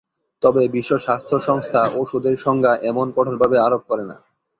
তবে বিশ্ব স্বাস্থ্য সংস্থা ওষুধের সংজ্ঞা এমন কঠোরভাবে আরোপ করে না।